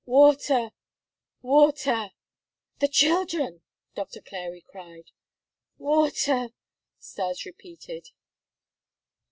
"Water! Water!" "The children!" Doctor Clary cried. "Water!" Stas repeated.